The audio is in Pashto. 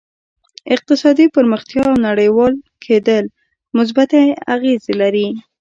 اقتصادي پرمختیا او نړیوال کېدل مثبتې اغېزې لري